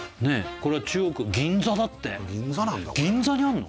これ中央区銀座だって銀座にあんの？